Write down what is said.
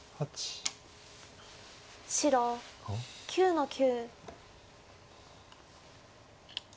白９の九。